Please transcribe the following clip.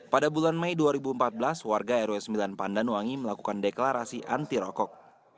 pada bulan mei dua ribu empat belas warga rw sembilan pandanwangi melakukan deklarasi anti rokok